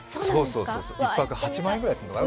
１泊８万円ぐらいするのかな？